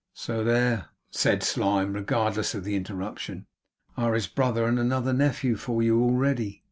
'So there,' said Slyme, regardless of the interruption, 'are his brother and another nephew for you, already.